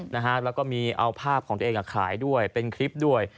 แล้วก็มีเอาภาพของตัวเองขายด้วยเป็นคลิปด้วย